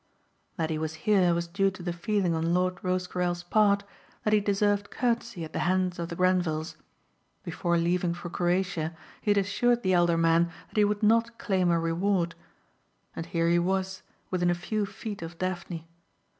That he was here was due to the feeling on Lord Rosecarrel's part that he deserved courtesy at the hands of the Grenvils. Before leaving for Croatia he had assured the elder man that he would not claim a reward. And here he was within a few feet of Daphne.